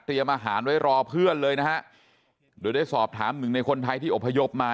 อาหารไว้รอเพื่อนเลยนะฮะโดยได้สอบถามหนึ่งในคนไทยที่อบพยพมา